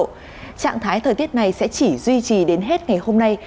trạng thái thời tiết này sẽ chỉ duy trì đến hết ngày hôm nay